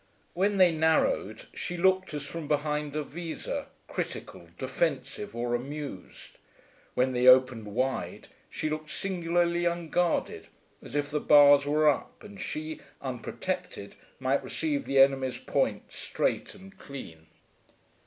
When they narrowed she looked as from behind a visor, critical, defensive, or amused; when they opened wide she looked singularly unguarded, as if the bars were up and she, unprotected, might receive the enemy's point straight and clean.